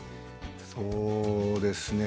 そうですね。